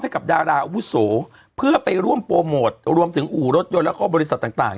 กับดาราอาวุโสเพื่อไปร่วมโปรโมทรวมถึงอู่รถยนต์แล้วก็บริษัทต่างต่าง